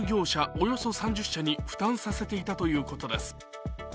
およそ３０社に負担させていたということです。